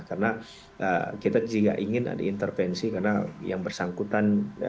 karena kita juga ingin ada intervensi karena yang bersangkutan